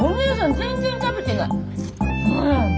全然食べてない。